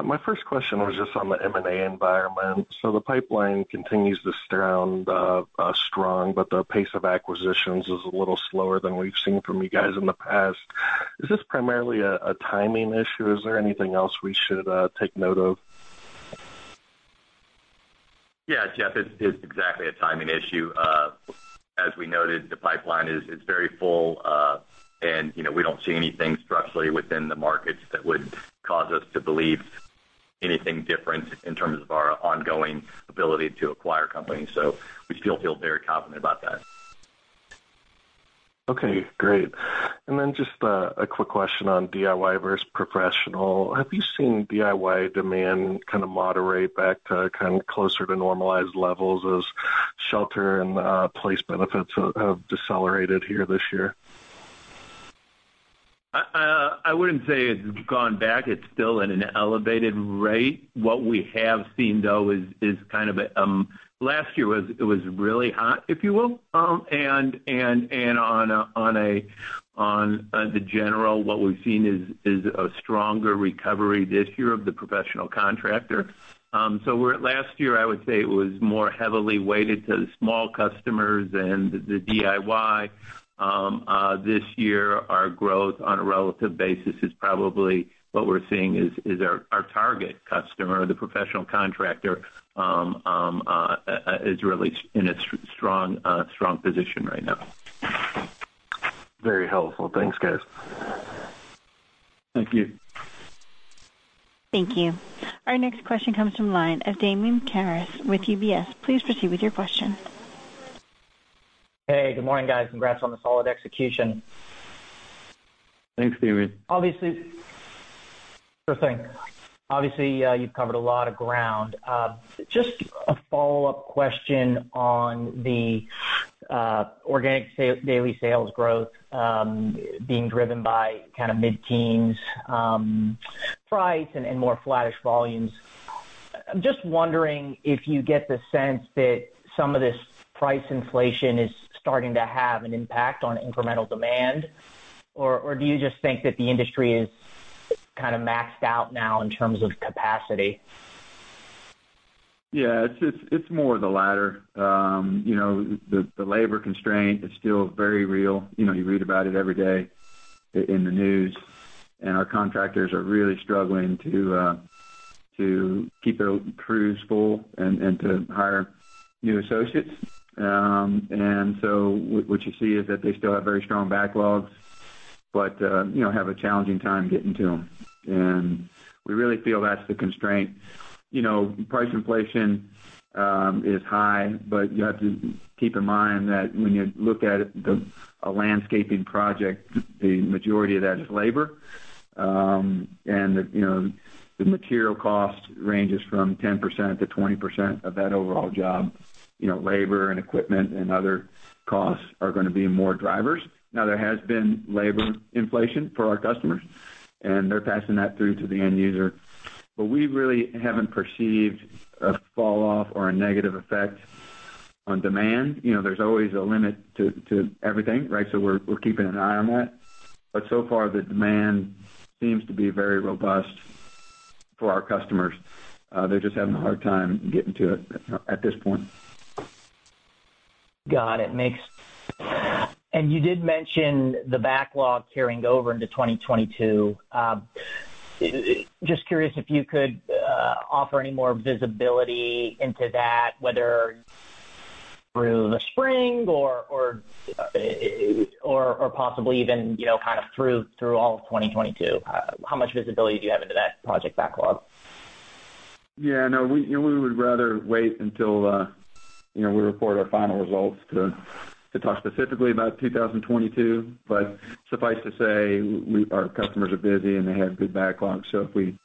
My first question was just on the M&A environment. The pipeline continues to sound strong, but the pace of acquisitions is a little slower than we've seen from you guys in the past. Is this primarily a timing issue? Is there anything else we should take note of? Yeah, Jeff, it's exactly a timing issue. As we noted, the pipeline is very full, and you know, we don't see anything structurally within the markets that would cause us to believe anything different in terms of our ongoing ability to acquire companies. We still feel very confident about that. Okay, great. Just a quick question on DIY versus professional. Have you seen DIY demand kind of moderate back to kind of closer to normalized levels as shelter and place benefits have decelerated here this year? I wouldn't say it's gone back. It's still at an elevated rate. What we have seen, though, is kind of last year was really hot, if you will. What we've seen is a stronger recovery this year of the professional contractor. Last year, I would say it was more heavily weighted to the small customers and the DIY. This year, our growth on a relative basis is probably what we're seeing is our target customer, the professional contractor, is really in a strong position right now. Very helpful. Thanks, guys. Thank you. Thank you. Our next question comes from the line of Damian Karas with UBS. Please proceed with your question. Hey, good morning, guys. Congrats on the solid execution. Thanks, Damian. Obviously, first thing, obviously, you've covered a lot of ground. Just a follow-up question on the organic daily sales growth being driven by kind of mid-teens price and more flattish volumes. I'm just wondering if you get the sense that some of this price inflation is starting to have an impact on incremental demand. Or do you just think that the industry is kind of maxed out now in terms of capacity? Yeah, it's more the latter. You know, the labor constraint is still very real. You know, you read about it every day in the news. Our contractors are really struggling to keep their crews full and to hire new associates. What you see is that they still have very strong backlogs, but you know have a challenging time getting to them. We really feel that's the constraint. You know, price inflation is high, but you have to keep in mind that when you look at it, a landscaping project, the majority of that is labor. You know, the material cost ranges from 10%-20% of that overall job. You know, labor and equipment and other costs are gonna be more drivers. Now, there has been labor inflation for our customers, and they're passing that through to the end user. We really haven't perceived a fall off or a negative effect on demand. You know, there's always a limit to everything, right? We're keeping an eye on that. So far, the demand seems to be very robust for our customers. They're just having a hard time getting to it at this point. Got it. You did mention the backlog carrying over into 2022. Just curious if you could offer any more visibility into that, whether through the spring or possibly even, you know, kind of through all of 2022. How much visibility do you have into that project backlog? Yeah, no, we, you know, we would rather wait until, you know, we report our final results to talk specifically about 2022. Suffice to say, we, our customers are busy and they have good backlogs. If we,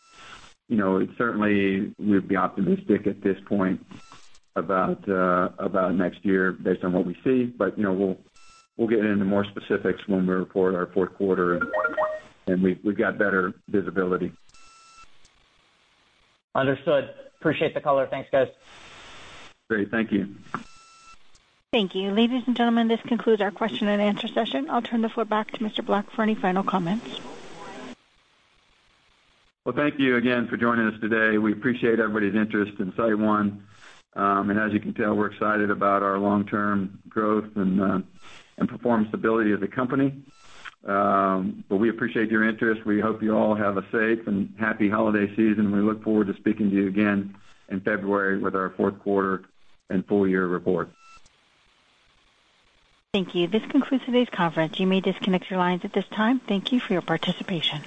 you know, certainly we'd be optimistic at this point about about next year based on what we see. You know, we'll get into more specifics when we report our fourth quarter and we've got better visibility. Understood. Appreciate the color. Thanks, guys. Great. Thank you. Thank you. Ladies and gentlemen, this concludes our question and answer session. I'll turn the floor back to Mr. Black for any final comments. Well, thank you again for joining us today. We appreciate everybody's interest in SiteOne. As you can tell, we're excited about our long-term growth and performance ability of the company. We appreciate your interest. We hope you all have a safe and happy holiday season, and we look forward to speaking to you again in February with our fourth quarter and full year report. Thank you. This concludes today's conference. You may disconnect your lines at this time. Thank you for your participation.